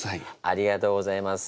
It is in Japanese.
ありがとうございます。